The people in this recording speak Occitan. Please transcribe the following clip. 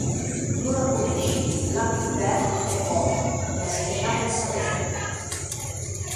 Non la coneishi; l’an dubèrt hè pòc; mès que ja m’en saberè.